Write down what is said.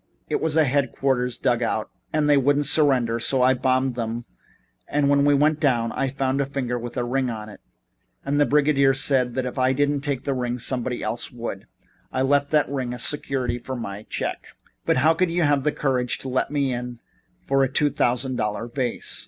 It was a headquarters dug out and they wouldn't surrender, so I bombed them and then we went down. I found a finger with a ring on it and the brigadier said if I didn't take the ring somebody else would. I left that ring as security for my check." "But how could you have the courage to let me in for a two thousand dollar vase?